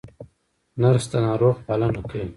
نرس د ناروغ پالنه کوي